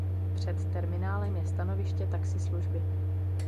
Před terminálem je stanoviště taxislužby.